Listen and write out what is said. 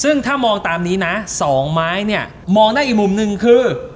ซึ่งถ้ามองตามนี้นะ๒ไม้เนี่ยมองได้อีกมุมหนึ่งคือ